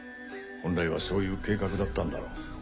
本来はそういう計画だったんだろう。